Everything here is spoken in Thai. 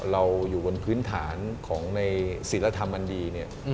เราอยู่บนพื้นฐานของในศิลธรรมอันดีเนี่ย